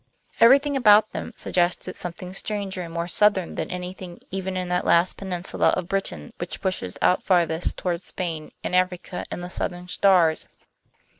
Everything about them suggested something stranger and more southern than anything even in that last peninsula of Britain which pushes out farthest toward Spain and Africa and the southern stars.